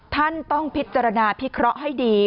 ท่านต้องพิจารณาพิเคราะห์ให้ดี